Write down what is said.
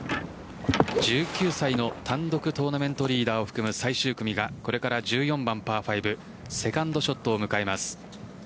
１９歳の単独トーナメントリーダーを含む最終組がこれから１４番パー５セカンドショットを迎えます。